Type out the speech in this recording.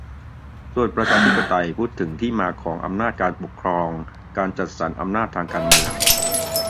ส่วนประชาธิปไตยพูดถึงที่มาของอำนาจการปกครอง-การจัดสรรอำนาจทางการเมือง